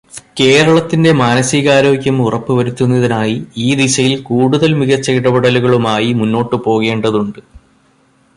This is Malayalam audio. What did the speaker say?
കേരളത്തിന്റെ മാനസികാരോഗ്യം ഉറപ്പു വരുത്തുന്നതിനായി ഈ ദിശയിൽ കൂടുതൽ മികച്ച ഇടപെടലുകളുമായി മുന്നോട്ടു പോകേണ്ടതുണ്ട്.